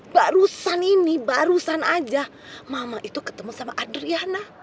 barusan ini barusan aja mama itu ketemu sama adriana